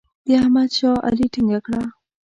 د احمد شا علي ټینګه کړه.